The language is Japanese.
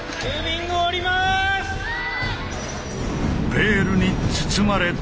ベールに包まれた。